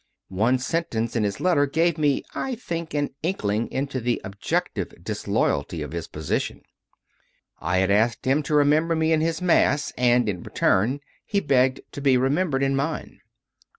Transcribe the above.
One sentence in his letter gave me, I think, an inkling into the objective disloyalty of his position: I had asked him to remember me in his Mass and, in return, he begged to be remembered in mine.